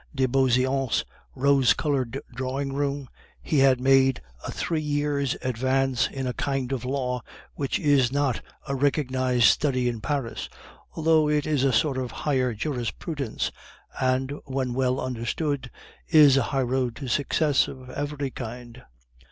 de Beauseant's rose colored drawing room he had made a three years' advance in a kind of law which is not a recognized study in Paris, although it is a sort of higher jurisprudence, and, when well understood, is a highroad to success of every kind.